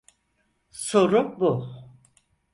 Soru bu.